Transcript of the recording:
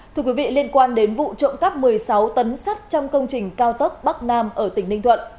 thưa quý vị liên quan đến vụ trộm cắp một mươi sáu tấn sắt trong công trình cao tốc bắc nam ở tỉnh ninh thuận